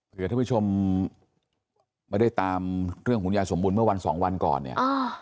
เพื่อท่านผู้ชมไม่ได้ตามเรื่องของยายสมบูรณ์เมื่อวันสองวันก่อนเนี่ย